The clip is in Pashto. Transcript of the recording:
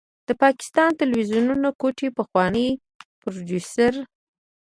د پاکستان تلويزيون کوټې پخوانی پروديوسر